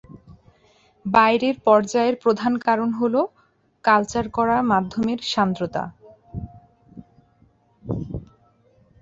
বাইরের-পর্যায়ের প্রধান কারণ হ'ল কালচার করা মাধ্যমের সান্দ্রতা।